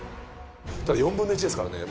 ４分の１ですからね。